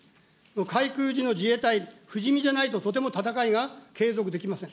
海空時の自衛隊、不死身じゃないととてもじゃないと戦いが継続できません。